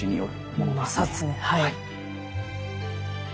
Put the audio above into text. はい。